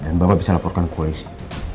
dan bapak bisa laporkan ke polisi